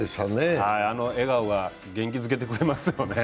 あの笑顔が元気づけてくれますよね。